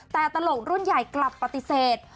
แต่ตลกรุ่นใหญ่กลับปฏิเสธ